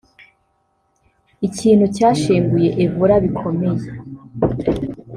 ikintu cyashenguye Evora bikomeye